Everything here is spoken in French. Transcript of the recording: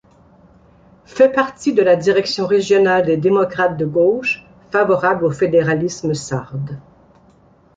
Fait partie de la direction régionale des Démocrates de gauche, favorable au fédéralisme sarde.